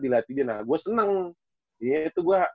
dilatih dia nah gua seneng